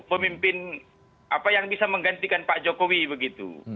pemimpin apa yang bisa menggantikan pak jokowi begitu